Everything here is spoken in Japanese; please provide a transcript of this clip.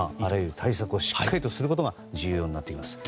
対策をしっかりとすることが重要になってきますね。